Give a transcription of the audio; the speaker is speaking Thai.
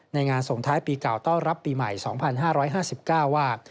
งานส่งท้ายปีเก่าต้อนรับปีใหม่๒๕๕๙ว่า